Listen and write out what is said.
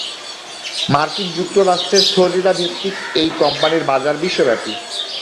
মার্কিন যুক্তরাষ্ট্রের ফ্লোরিডা ভিত্তিক এই কোম্পানির বাজার বিশ্বব্যাপী।